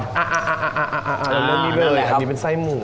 อ้ามันไม่มีเบอร์เลยครับมันเป็นไส้หมู